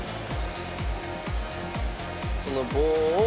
その棒を。